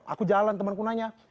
aku jalan temenku nanya